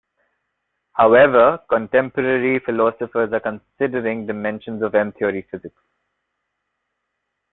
However, contemporary philosophers are considering dimensions of M-theory physics.